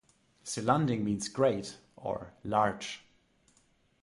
Selunding means "great" or "large.